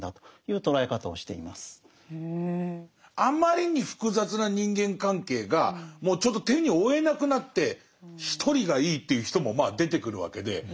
あまりに複雑な人間関係がもうちょっと手に負えなくなって一人がいいっていう人もまあ出てくるわけで。